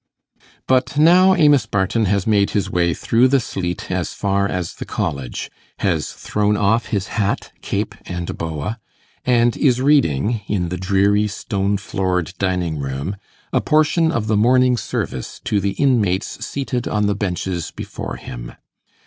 But now Amos Barton has made his way through the sleet as far as the College, has thrown off his hat, cape, and boa, and is reading, in the dreary stone floored dining room, a portion of the morning service to the inmates seated on the benches before him.